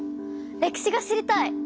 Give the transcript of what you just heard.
歴史が知りたい！